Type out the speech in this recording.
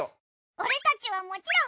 俺たちはもちろん。